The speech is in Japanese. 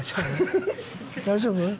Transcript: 大丈夫？